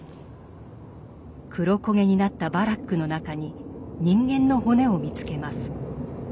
黒焦げになったバラックの中に人間の骨を見つけます。